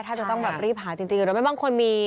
ถ้าจะต้องรีบหาจริงแล้วไม่บ้างควรมี